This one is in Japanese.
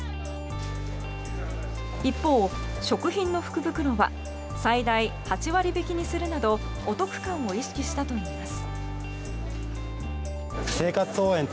一方、食品の福袋は最大８割引きにするなどお得感を意識したといいます。